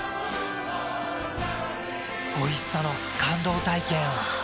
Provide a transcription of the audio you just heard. おいしさの感動体験を。